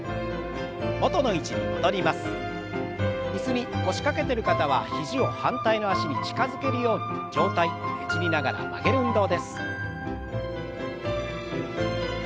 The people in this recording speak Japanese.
椅子に腰掛けてる方は肘を反対の脚に近づけるように上体ねじりながら曲げる運動です。